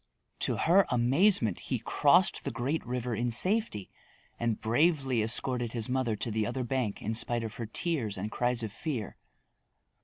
To her amazement he crossed the great river in safety and bravely escorted his mother to the other bank in spite of her tears and cries of fear.